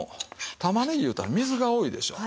玉ねぎいうたら水が多いでしょう。